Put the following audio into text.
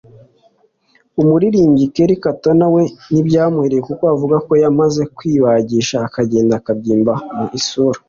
ariko umuririmbyi Kerry Katona we ntibyamuhiriye kuko avuga ko yamaze kwibagisha akagenda abyimba mu isura